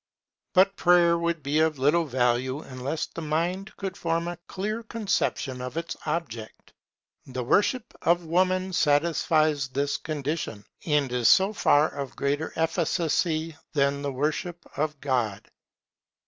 But Prayer would be of little value unless the mind could form a clear conception of its object. The worship of Woman satisfies this condition, and is so far of greater efficacy than the worship of God.